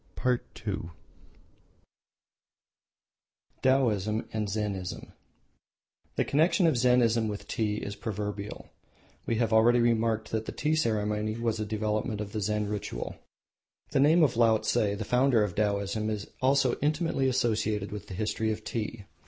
III. Taoism and Zennism The connection of Zennism with tea is proverbial. We have already remarked that the tea ceremony was a development of the Zen ritual. The name of Laotse, the founder of Taoism, is also intimately associated with the history of tea.